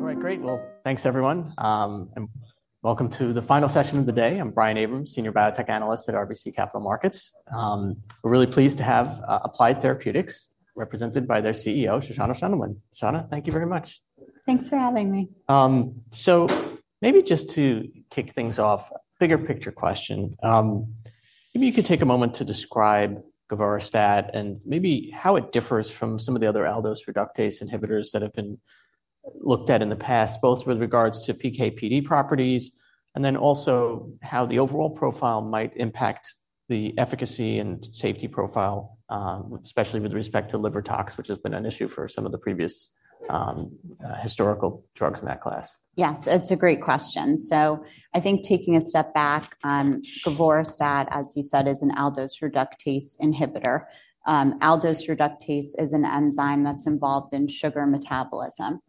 All right, great. Well, thanks, everyone, and welcome to the final session of the day. I'm Brian Abrahams, Senior Biotech Analyst at RBC Capital Markets. We're really pleased to have Applied Therapeutics represented by their CEO, Shoshana Shendelman. Shoshana, thank you very much. Thanks for having me. Maybe just to kick things off, bigger picture question, maybe you could take a moment to describe govorestat and maybe how it differs from some of the other aldose reductase inhibitors that have been looked at in the past, both with regards to PKPD properties and then also how the overall profile might impact the efficacy and safety profile, especially with respect to liver tox, which has been an issue for some of the previous, historical drugs in that class? Yes, it's a great question. So I think taking a step back, govorestat, as you said, is an aldose reductase inhibitor. Aldose reductase is an enzyme that's involved in sugar metabolism.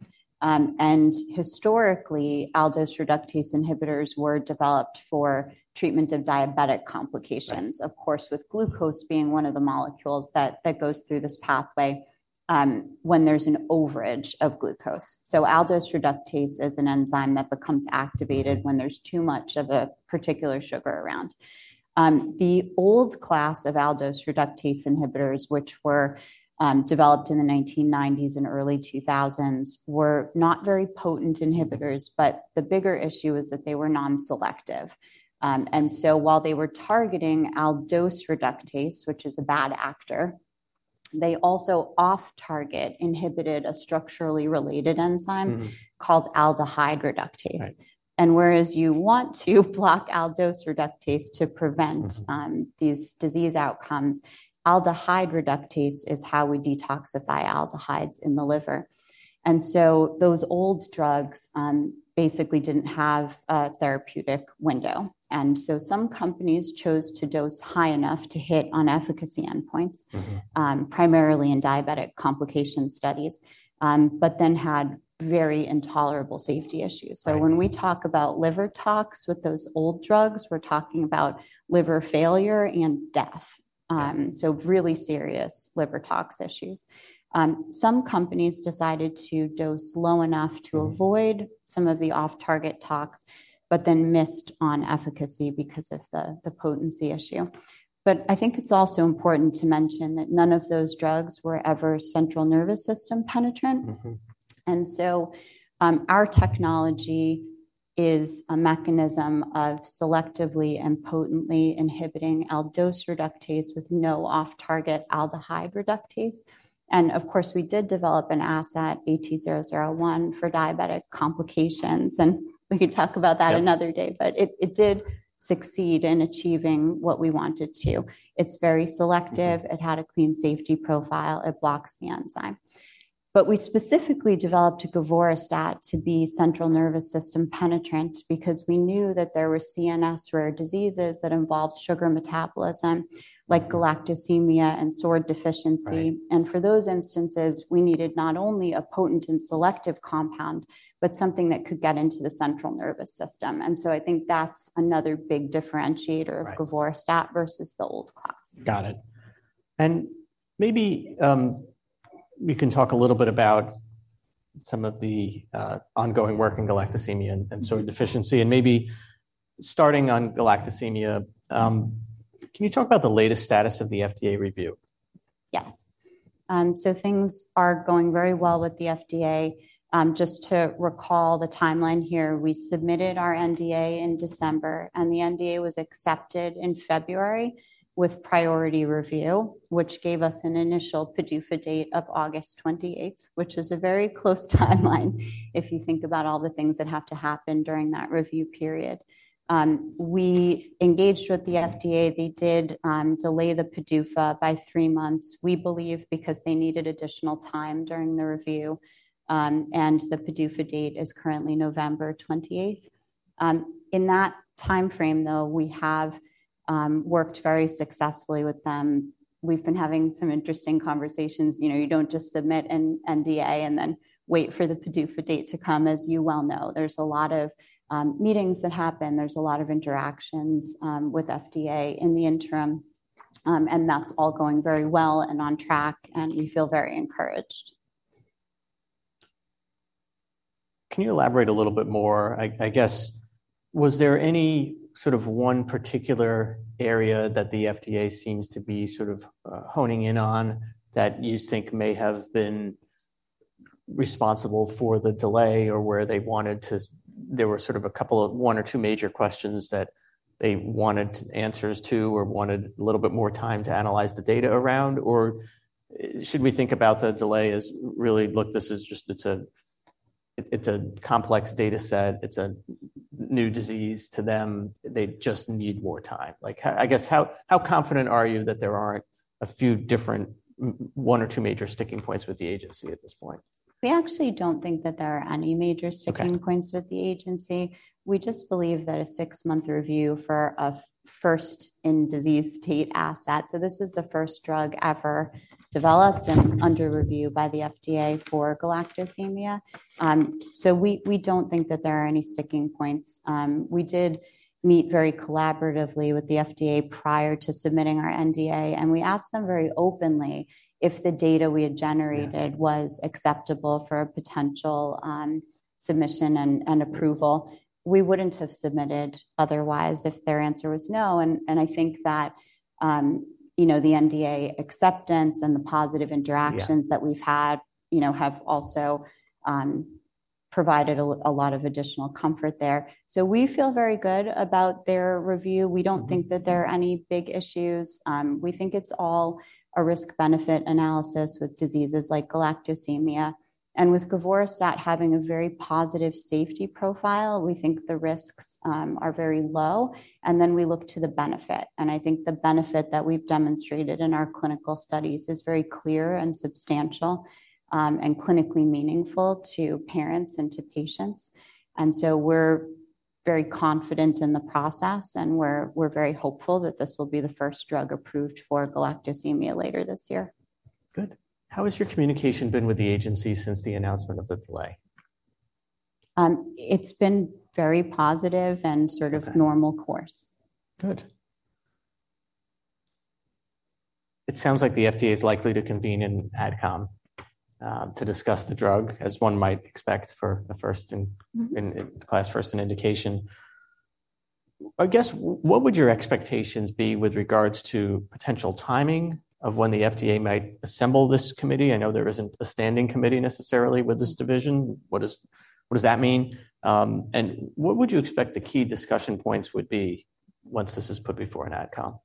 And historically, aldose reductase inhibitors were developed for treatment of diabetic complications, of course with glucose being one of the molecules that, that goes through this pathway, when there's an overage of glucose. So aldose reductase is an enzyme that becomes activated when there's too much of a particular sugar around. The old class of aldose reductase inhibitors, which were, developed in the 1990s and early 2000s, were not very potent inhibitors, but the bigger issue is that they were non-selective. And so while they were targeting aldose reductase, which is a bad actor, they also off-target inhibited a structurally related enzyme called aldehyde reductase. Whereas you want to block aldose reductase to prevent these disease outcomes, aldehyde reductase is how we detoxify aldehydes in the liver. And so those old drugs basically didn't have a therapeutic window. And so some companies chose to dose high enough to hit on efficacy endpoints, primarily in diabetic complication studies, but then had very intolerable safety issues. So when we talk about liver tox with those old drugs, we're talking about liver failure and death, so really serious liver tox issues. Some companies decided to dose low enough to avoid some of the off-target tox but then missed on efficacy because of the potency issue. But I think it's also important to mention that none of those drugs were ever central nervous system penetrant. And so our technology is a mechanism of selectively and potently inhibiting aldose reductase with no off-target aldehyde reductase. And of course, we did develop an asset, AT-001, for diabetic complications, and we could talk about that another day, but it, it did succeed in achieving what we wanted to. It's very selective. It had a clean safety profile. It blocks the enzyme. But we specifically developed govorestat to be central nervous system penetrant because we knew that there were CNS rare diseases that involved sugar metabolism like galactosemia and SORD deficiency. And for those instances, we needed not only a potent and selective compound but something that could get into the central nervous system. And so I think that's another big differentiator of govorestat versus the old class. Got it. And maybe we can talk a little bit about some of the ongoing work in galactosemia and SORD deficiency. And maybe starting on galactosemia, can you talk about the latest status of the FDA review? Yes. So things are going very well with the FDA. Just to recall the timeline here, we submitted our NDA in December, and the NDA was accepted in February with Priority Review, which gave us an initial PDUFA date of August 28th, which is a very close timeline if you think about all the things that have to happen during that review period. We engaged with the FDA. They did delay the PDUFA by three months, we believe, because they needed additional time during the review. And the PDUFA date is currently November 28th. In that time frame, though, we have worked very successfully with them. We've been having some interesting conversations. You know, you don't just submit an NDA and then wait for the PDUFA date to come, as you well know. There's a lot of meetings that happen. There's a lot of interactions with FDA in the interim. And that's all going very well and on track, and we feel very encouraged. Can you elaborate a little bit more? I guess, was there any sort of one particular area that the FDA seems to be sort of honing in on that you think may have been responsible for the delay or where there were sort of a couple of one or two major questions that they wanted answers to or wanted a little bit more time to analyze the data around? Or should we think about the delay as really, "Look, this is just it's a complex data set. It's a new disease to them. They just need more time"? Like, I guess, how confident are you that there aren't a few different one or two major sticking points with the agency at this point? We actually don't think that there are any major sticking points with the agency. We just believe that a six-month review for a first-in-disease state asset so this is the first drug ever developed and under review by the FDA for galactosemia. So we don't think that there are any sticking points. We did meet very collaboratively with the FDA prior to submitting our NDA, and we asked them very openly if the data we had generated was acceptable for a potential submission and approval. We wouldn't have submitted otherwise if their answer was no. And I think that, you know, the NDA acceptance and the positive interactions that we've had, you know, have also provided a lot of additional comfort there. So we feel very good about their review. We don't think that there are any big issues. We think it's all a risk-benefit analysis with diseases like galactosemia. With govorestat having a very positive safety profile, we think the risks are very low. Then we look to the benefit. I think the benefit that we've demonstrated in our clinical studies is very clear and substantial, and clinically meaningful to parents and to patients. So we're very confident in the process, and we're very hopeful that this will be the first drug approved for galactosemia later this year. Good. How has your communication been with the agency since the announcement of the delay? It's been very positive and sort of normal course. Good. It sounds like the FDA is likely to convene an ADCOM to discuss the drug, as one might expect for a first-in-class first-in-indication. I guess what would your expectations be with regards to potential timing of when the FDA might assemble this committee? I know there isn't a standing committee necessarily with this division. What does that mean? And what would you expect the key discussion points would be once this is put before an ADCOM?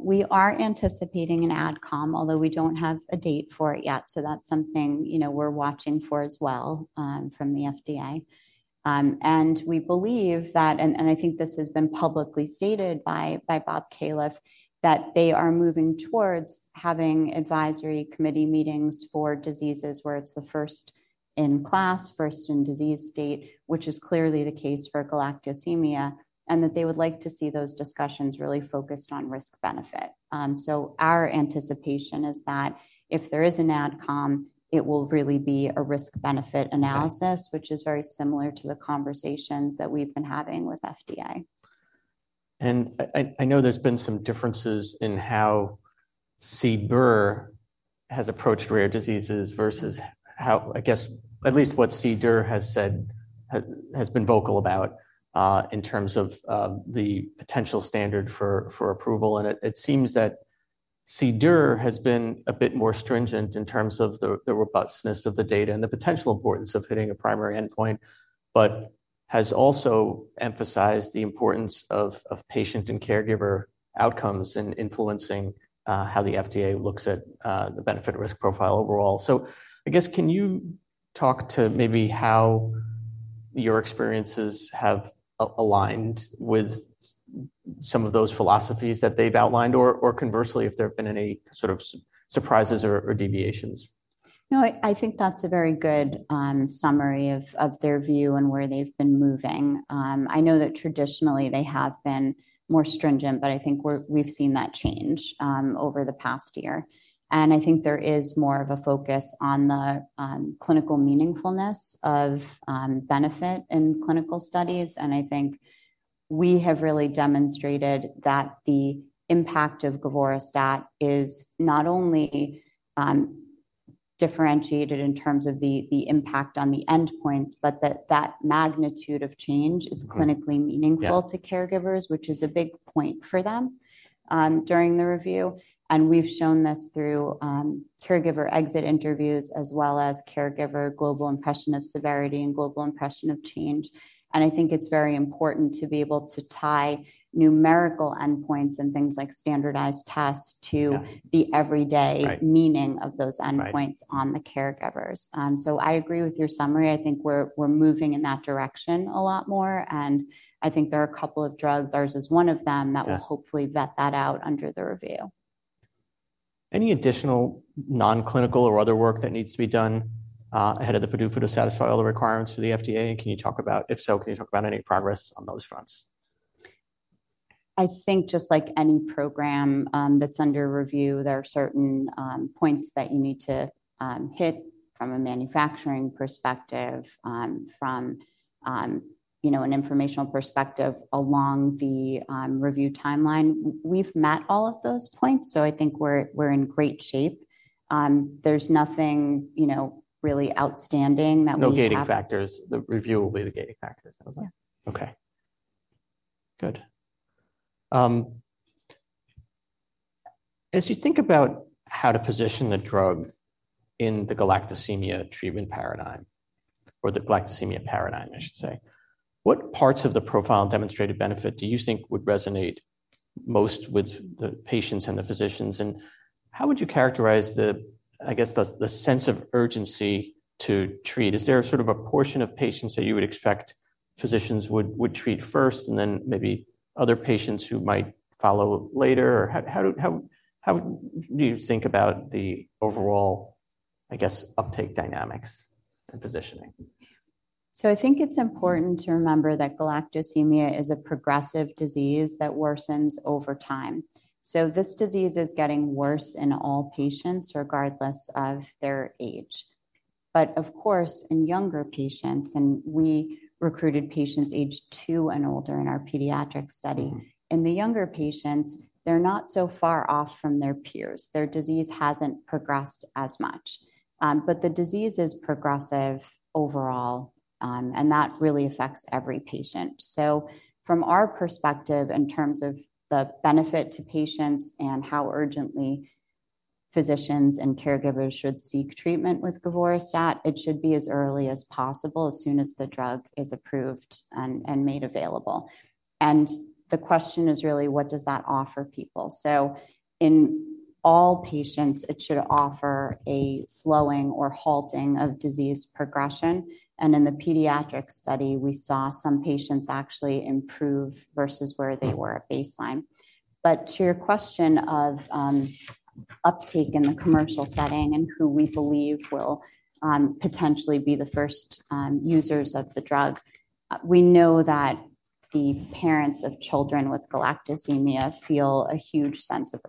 We are anticipating an ADCOM, although we don't have a date for it yet. So that's something, you know, we're watching for as well, from the FDA. And we believe that and, and I think this has been publicly stated by, by Bob Califf, that they are moving towards having advisory committee meetings for diseases where it's the first-in-class, first-in-disease state, which is clearly the case for galactosemia, and that they would like to see those discussions really focused on risk-benefit. So our anticipation is that if there is an ADCOM, it will really be a risk-benefit analysis, which is very similar to the conversations that we've been having with FDA. I know there's been some differences in how CDER has approached rare diseases versus how I guess at least what CDER has said has been vocal about, in terms of the potential standard for approval. And it seems that CDER has been a bit more stringent in terms of the robustness of the data and the potential importance of hitting a primary endpoint but has also emphasized the importance of patient and caregiver outcomes in influencing how the FDA looks at the benefit-risk profile overall. So I guess can you talk to maybe how your experiences have aligned with some of those philosophies that they've outlined or conversely, if there have been any sort of surprises or deviations? No, I think that's a very good summary of their view and where they've been moving. I know that traditionally, they have been more stringent, but I think we've seen that change over the past year. And I think there is more of a focus on the clinical meaningfulness of benefit in clinical studies. And I think we have really demonstrated that the impact of govorestat is not only differentiated in terms of the impact on the endpoints but that that magnitude of change is clinically meaningful to caregivers, which is a big point for them during the review. And we've shown this through caregiver exit interviews as well as Caregiver Global Impression of Severity and Caregiver Global Impression of Change. I think it's very important to be able to tie numerical endpoints and things like standardized tests to the everyday meaning of those endpoints on the caregivers. So I agree with your summary. I think we're moving in that direction a lot more. I think there are a couple of drugs, ours is one of them, that will hopefully vet that out under the review. Any additional non-clinical or other work that needs to be done, ahead of the PDUFA to satisfy all the requirements for the FDA? And can you talk about if so, can you talk about any progress on those fronts? I think just like any program that's under review, there are certain points that you need to hit from a manufacturing perspective, from, you know, an informational perspective along the review timeline. We've met all of those points, so I think we're in great shape. There's nothing, you know, really outstanding that we need to. No gating factors. The review will be the gating factors. That was it? Yeah. Okay. Good. As you think about how to position the drug in the galactosemia treatment paradigm or the galactosemia paradigm, I should say, what parts of the profile demonstrated benefit do you think would resonate most with the patients and the physicians? And how would you characterize the, I guess, the sense of urgency to treat? Is there sort of a portion of patients that you would expect physicians would treat first and then maybe other patients who might follow later? Or how do you think about the overall, I guess, uptake dynamics and positioning? So I think it's important to remember that galactosemia is a progressive disease that worsens over time. So this disease is getting worse in all patients regardless of their age. But of course, in younger patients and we recruited patients age two and older in our pediatric study. In the younger patients, they're not so far off from their peers. Their disease hasn't progressed as much. But the disease is progressive overall, and that really affects every patient. So from our perspective in terms of the benefit to patients and how urgently physicians and caregivers should seek treatment with govorestat, it should be as early as possible, as soon as the drug is approved and, and made available. And the question is really, what does that offer people? So in all patients, it should offer a slowing or halting of disease progression. In the pediatric study, we saw some patients actually improve versus where they were at baseline. But to your question of uptake in the commercial setting and who we believe will potentially be the first users of the drug, we know that the parents of children with galactosemia feel a huge sense of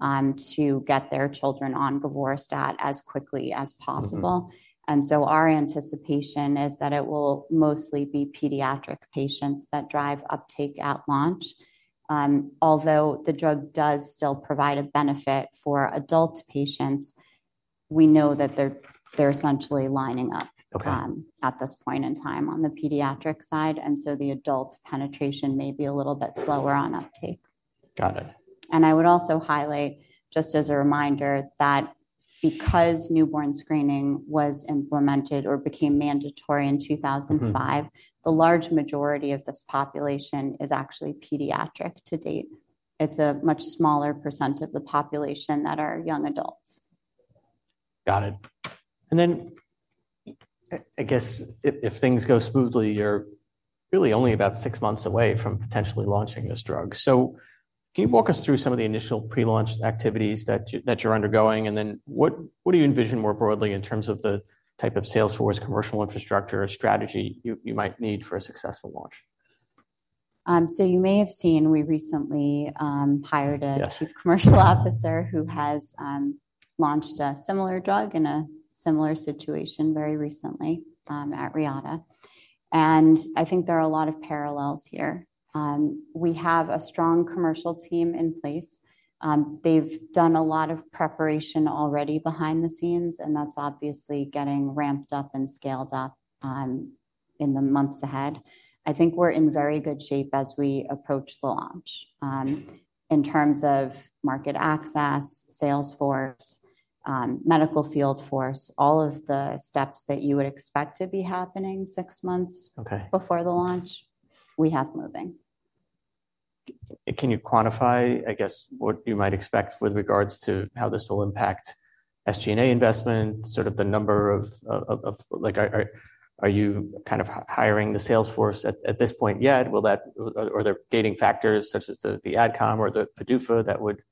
urgency to get their children on govorestat as quickly as possible. And so our anticipation is that it will mostly be pediatric patients that drive uptake at launch. Although the drug does still provide a benefit for adult patients, we know that they're essentially lining up at this point in time on the pediatric side. And so the adult penetration may be a little bit slower on uptake. Got it. I would also highlight just as a reminder that because newborn screening was implemented or became mandatory in 2005, the large majority of this population is actually pediatric to date. It's a much smaller percent of the population that are young adults. Got it. And then I guess if things go smoothly, you're really only about six months away from potentially launching this drug. So can you walk us through some of the initial pre-launch activities that you're undergoing? And then what do you envision more broadly in terms of the type of sales force commercial infrastructure or strategy you might need for a successful launch? So you may have seen we recently hired a chief commercial officer who has launched a similar drug in a similar situation very recently at Reata. And I think there are a lot of parallels here. We have a strong commercial team in place. They've done a lot of preparation already behind the scenes, and that's obviously getting ramped up and scaled up in the months ahead. I think we're in very good shape as we approach the launch, in terms of market access, sales force, medical field force, all of the steps that you would expect to be happening six months before the launch, we have moving. Can you quantify, I guess, what you might expect with regards to how this will impact SG&A investment, sort of the number of like, are you kind of hiring the sales force at this point yet? Will that or are there gating factors such as the ADCOM or the PDUFA that would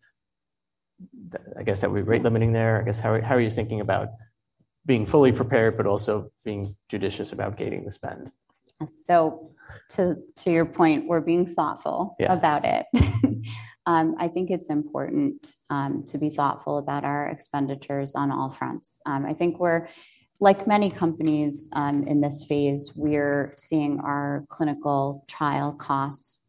I guess that would be rate limiting there? I guess how are you thinking about being fully prepared but also being judicious about gating the spend? So, to your point, we're being thoughtful about it. I think it's important to be thoughtful about our expenditures on all fronts. I think we're like many companies. In this phase, we're seeing our clinical trial costs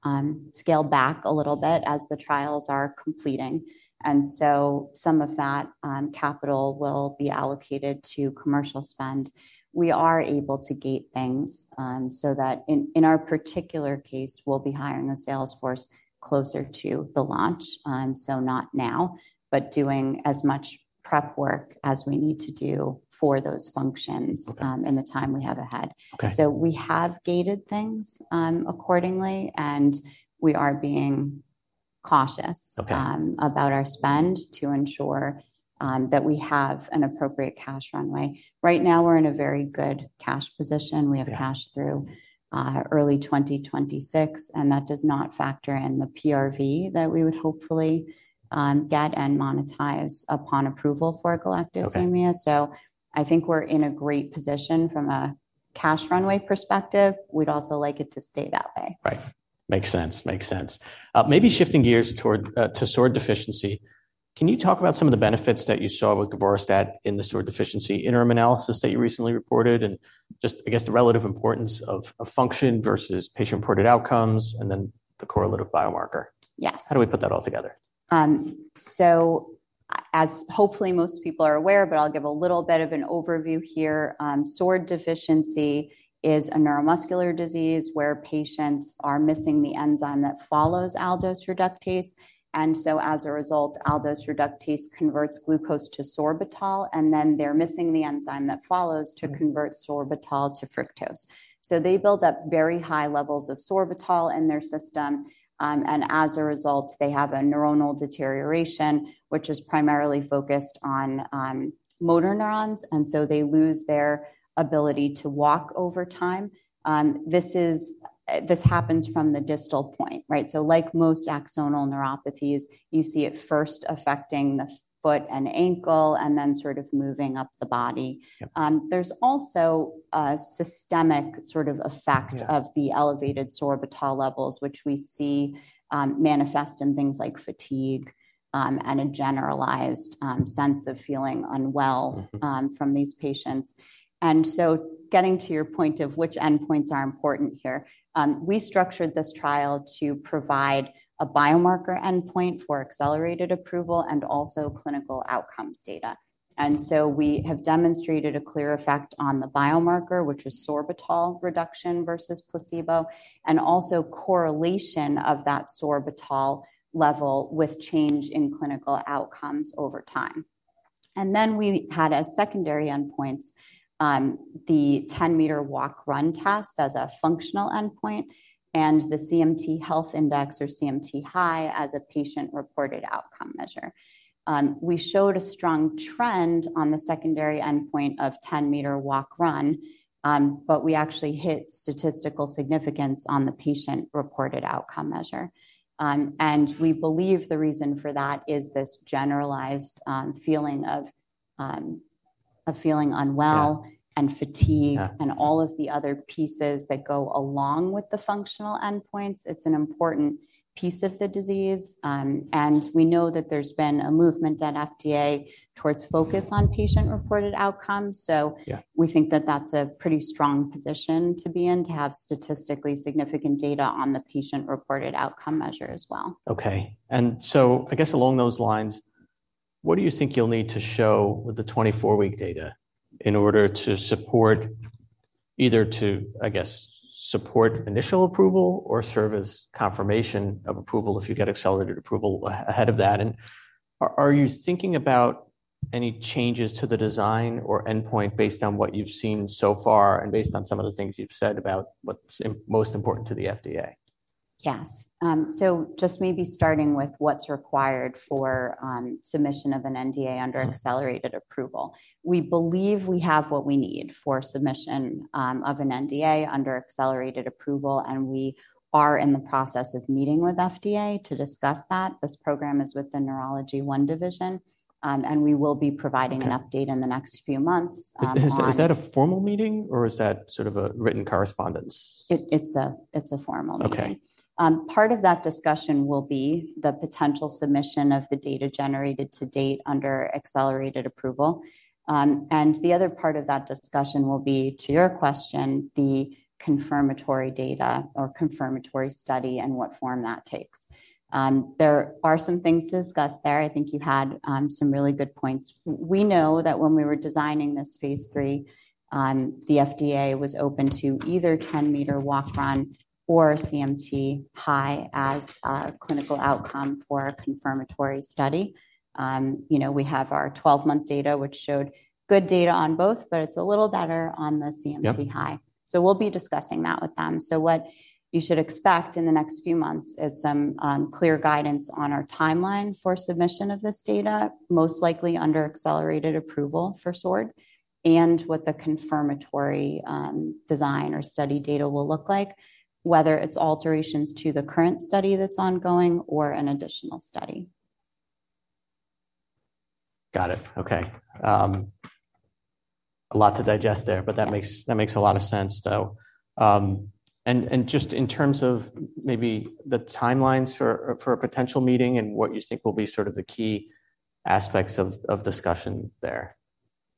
scale back a little bit as the trials are completing. And so some of that capital will be allocated to commercial spend. We are able to gate things so that, in our particular case, we'll be hiring the sales force closer to the launch, so not now, but doing as much prep work as we need to do for those functions in the time we have ahead. So we have gated things accordingly, and we are being cautious about our spend to ensure that we have an appropriate cash runway. Right now, we're in a very good cash position. We have cash through early 2026, and that does not factor in the PRV that we would hopefully get and monetize upon approval for galactosemia. So I think we're in a great position from a cash runway perspective. We'd also like it to stay that way. Right. Makes sense. Makes sense. Maybe shifting gears toward, to SORD deficiency, can you talk about some of the benefits that you saw with govorestat in the SORD deficiency interim analysis that you recently reported and just, I guess, the relative importance of, of function versus patient-reported outcomes and then the correlative biomarker? Yes. How do we put that all together? So, as hopefully most people are aware, but I'll give a little bit of an overview here. SORD deficiency is a neuromuscular disease where patients are missing the enzyme that follows aldose reductase. And so, as a result, aldose reductase converts glucose to sorbitol, and then they're missing the enzyme that follows to convert sorbitol to fructose. So they build up very high levels of sorbitol in their system. And as a result, they have a neuronal deterioration, which is primarily focused on motor neurons. And so they lose their ability to walk over time. This happens from the distal point, right? So like most axonal neuropathies, you see it first affecting the foot and ankle and then sort of moving up the body. There's also a systemic sort of effect of the elevated sorbitol levels, which we see manifest in things like fatigue, and a generalized sense of feeling unwell from these patients. So getting to your point of which endpoints are important here, we structured this trial to provide a biomarker endpoint for accelerated approval and also clinical outcomes data. And so we have demonstrated a clear effect on the biomarker, which was sorbitol reduction versus placebo, and also correlation of that sorbitol level with change in clinical outcomes over time. And then we had as secondary endpoints the 10 m walk/run test as a functional endpoint and the CMT Health Index or CMT-HI as a patient-reported outcome measure. We showed a strong trend on the secondary endpoint of 10 m walk-run, but we actually hit statistical significance on the patient-reported outcome measure. We believe the reason for that is this generalized feeling of feeling unwell and fatigue and all of the other pieces that go along with the functional endpoints. It's an important piece of the disease. We know that there's been a movement at FDA towards focus on patient-reported outcomes. So we think that that's a pretty strong position to be in, to have statistically significant data on the patient-reported outcome measure as well. Okay. And so I guess along those lines, what do you think you'll need to show with the 24-week data in order to support initial approval or, I guess, support surrogate confirmation of approval if you get accelerated approval ahead of that? And are you thinking about any changes to the design or endpoint based on what you've seen so far and based on some of the things you've said about what's most important to the FDA? Yes. So just maybe starting with what's required for submission of an NDA under accelerated approval. We believe we have what we need for submission of an NDA under accelerated approval, and we are in the process of meeting with FDA to discuss that. This program is with the Neurology One Division, and we will be providing an update in the next few months. Is that a formal meeting, or is that sort of a written correspondence? It's a formal meeting. Part of that discussion will be the potential submission of the data generated to date under accelerated approval. The other part of that discussion will be, to your question, the confirmatory data or confirmatory study and what form that takes. There are some things to discuss there. I think you had some really good points. We know that when we were designing this phase III, the FDA was open to either 10 m walk-run or CMT-HI as a clinical outcome for a confirmatory study. You know, we have our 12-month data, which showed good data on both, but it's a little better on the CMT-HI. So we'll be discussing that with them. So what you should expect in the next few months is some clear guidance on our timeline for submission of this data, most likely under accelerated approval for SORD, and what the confirmatory design or study data will look like, whether it's alterations to the current study that's ongoing or an additional study. Got it. Okay. A lot to digest there, but that makes that makes a lot of sense, though. And, and just in terms of maybe the timelines for, for a potential meeting and what you think will be sort of the key aspects of, of discussion there?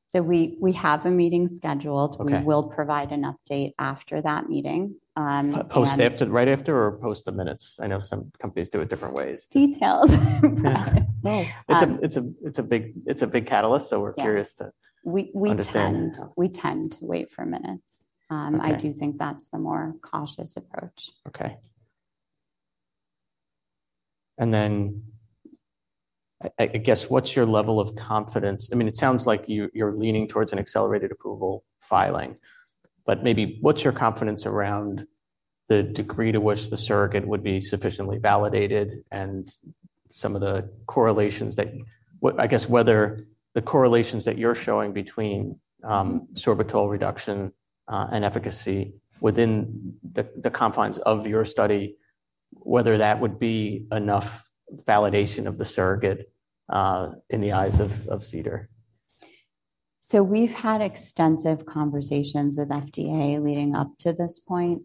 So we have a meeting scheduled. We will provide an update after that meeting. We will. Post after right after or post the minutes? I know some companies do it different ways. Details. It's a big catalyst, so we're curious to understand. We tend to wait for minutes. I do think that's the more cautious approach. Okay. And then I guess what's your level of confidence? I mean, it sounds like you're leaning towards an accelerated approval filing. But maybe what's your confidence around the degree to which the surrogate would be sufficiently validated and some of the correlations that what I guess whether the correlations that you're showing between sorbitol reduction and efficacy within the confines of your study, whether that would be enough validation of the surrogate, in the eyes of CDER? So we've had extensive conversations with FDA leading up to this point.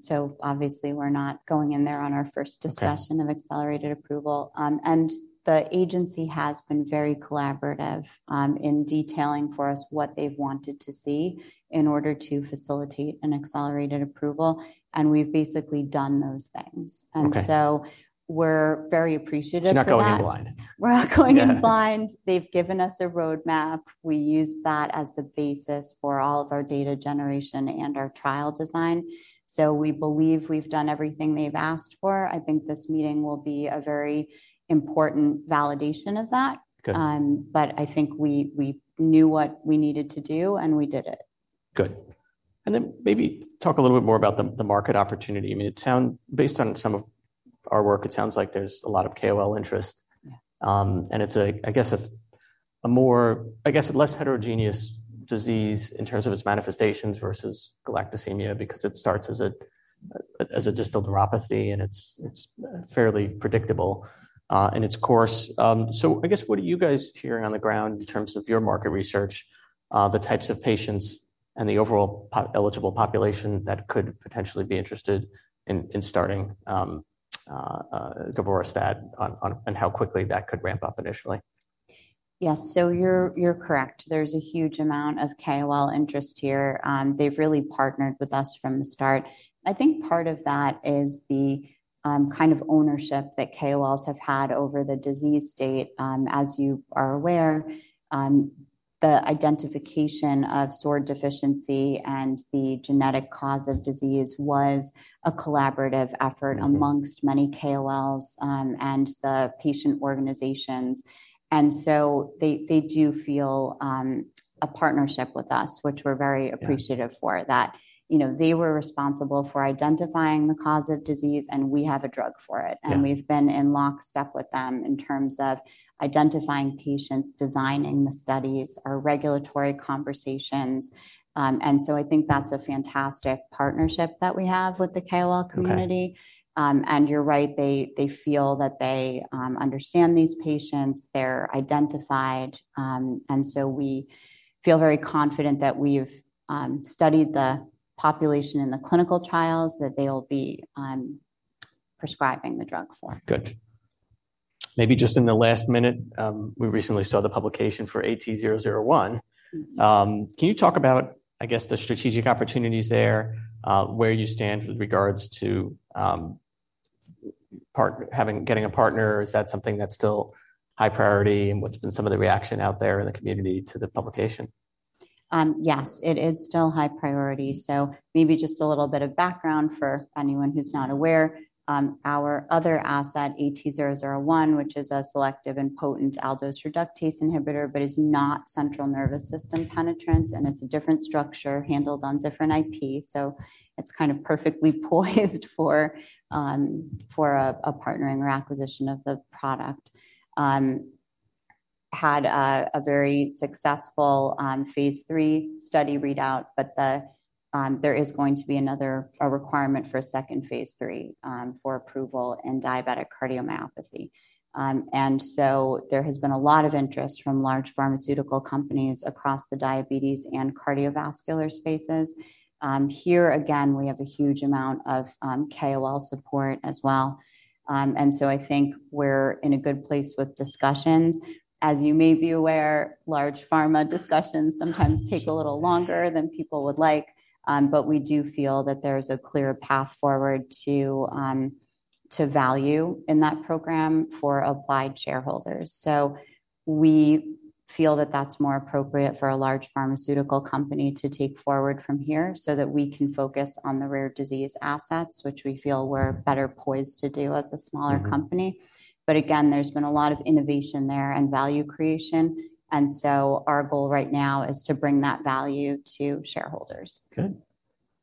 So obviously, we're not going in there on our first discussion of accelerated approval. And the agency has been very collaborative, in detailing for us what they've wanted to see in order to facilitate an accelerated approval. And we've basically done those things. And so we're very appreciative for that. She's not going in blind. We're not going in blind. They've given us a roadmap. We use that as the basis for all of our data generation and our trial design. So we believe we've done everything they've asked for. I think this meeting will be a very important validation of that. But I think we knew what we needed to do, and we did it. Good. And then maybe talk a little bit more about the market opportunity. I mean, it sounds based on some of our work like there's a lot of KOL interest. And it's a, I guess, a more, I guess, less heterogeneous disease in terms of its manifestations versus galactosemia because it starts as a distal neuropathy, and it's fairly predictable in its course. So I guess what are you guys hearing on the ground in terms of your market research, the types of patients and the overall potentially eligible population that could potentially be interested in starting govorestat and how quickly that could ramp up initially? Yes. So you're, you're correct. There's a huge amount of KOL interest here. They've really partnered with us from the start. I think part of that is the, kind of ownership that KOLs have had over the disease state. As you are aware, the identification of SORD deficiency and the genetic cause of disease was a collaborative effort amongst many KOLs, and the patient organizations. And so they, they do feel, a partnership with us, which we're very appreciative for, that, you know, they were responsible for identifying the cause of disease, and we have a drug for it. And we've been in lockstep with them in terms of identifying patients, designing the studies, our regulatory conversations. And so I think that's a fantastic partnership that we have with the KOL community. And you're right. They, they feel that they, understand these patients. They're identified. And so we feel very confident that we've studied the population in the clinical trials that they'll be prescribing the drug for. Good. Maybe just in the last minute, we recently saw the publication for AT-001. Can you talk about, I guess, the strategic opportunities there, where you stand with regards to partnering, getting a partner? Is that something that's still high priority, and what's been some of the reaction out there in the community to the publication? Yes. It is still high priority. So maybe just a little bit of background for anyone who's not aware. Our other asset, AT-001, which is a selective and potent aldose reductase inhibitor but is not central nervous system penetrant, and it's a different structure handled on different IP. So it's kind of perfectly poised for a partnering or acquisition of the product. It had a very successful phase III study readout, but there is going to be another requirement for a second phase III for approval in diabetic cardiomyopathy. And so there has been a lot of interest from large pharmaceutical companies across the diabetes and cardiovascular spaces. Here again, we have a huge amount of KOL support as well. And so I think we're in a good place with discussions. As you may be aware, large pharma discussions sometimes take a little longer than people would like. But we do feel that there's a clear path forward to, to value in that program for Applied shareholders. So we feel that that's more appropriate for a large pharmaceutical company to take forward from here so that we can focus on the rare disease assets, which we feel we're better poised to do as a smaller company. But again, there's been a lot of innovation there and value creation. And so our goal right now is to bring that value to shareholders. Good.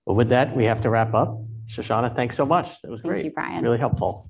Well, with that, we have to wrap up. Shoshana, thanks so much. That was great. Thank you, Brian. Really helpful.